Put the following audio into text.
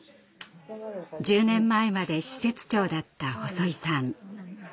１０年前まで施設長だった細井さん。